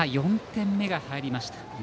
４点目が入りました。